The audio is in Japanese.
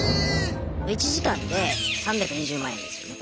１時間で３２０万円ですよね。